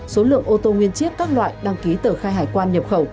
số lượng ô tô nguyên chiếc các loại đăng ký tờ khai hải quan nhập khẩu